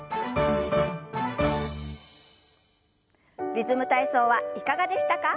「リズム体操」はいかがでしたか？